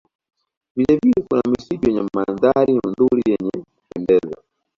Vilevile kuna misitu yenye mandhari nzuri yenye kupendeza